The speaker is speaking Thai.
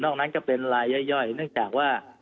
นั้นก็เป็นลายย่อยเนื่องจากว่า